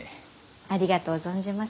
ありがとう存じます。